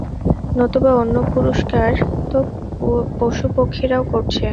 নতুবা অন্য পুরুষকার তো পশু-পক্ষীরাও করছে।